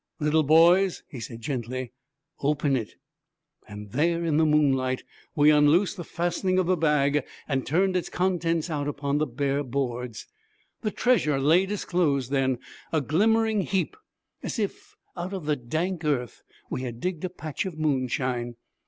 'Little boys,' he said gently, 'open it! There in the moonlight, we unloosed the fastening of the bag and turned its contents out upon the bare boards. The treasure lay disclosed then, a glimmering heap, as if, out of the dank earth, we had digged a patch of moonshine.